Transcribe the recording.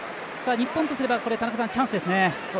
日本とすればチャンスですね。